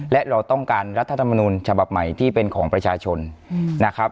และเราต้องการรัฐธรรมนุนฉบับใหม่ที่เป็นของประชาชนนะครับ